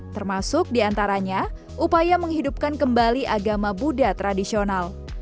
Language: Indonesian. termasuk diantaranya upaya menghidupkan kembali agama buddha tradisional